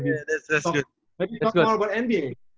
bisa kita bicara lebih tentang nba